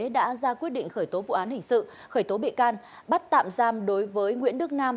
đã ra quyết định khởi tố vụ án hình sự khởi tố bị can bắt tạm giam đối với nguyễn đức nam